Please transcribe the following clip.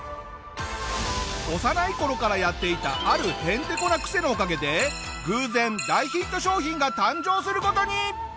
幼い頃からやっていたあるへんてこなクセのおかげで偶然大ヒット商品が誕生する事に！